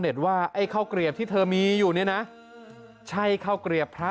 ว่าไอ้ข้าวเกลียบที่เธอมีอยู่เนี่ยนะใช่ข้าวเกลียบพระ